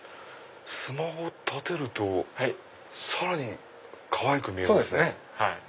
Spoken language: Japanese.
スマホを立てるとさらにかわいく見えますね。